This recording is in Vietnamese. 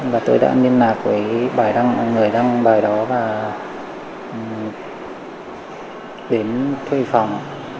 và tôi đã liên lạc với bài đăng mọi người đăng bài đó và đến thuê phòng